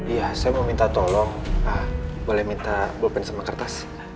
iya saya mau minta tolong boleh minta belpen sama kertas